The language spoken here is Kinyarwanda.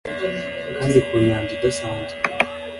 Kandi ku nyanja idasanzwe